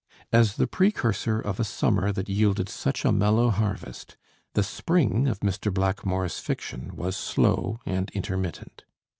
As the precursor of a summer that yielded such a mellow harvest, the spring of Mr. Blackmore's fiction was slow and intermittent.